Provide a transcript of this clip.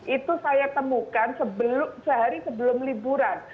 itu saya temukan sehari sebelum liburan